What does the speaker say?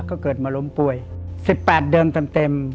ก็เกิดมาล้มป่วย๑๘เดือนเต็ม